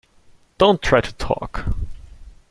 Don’t try to talk!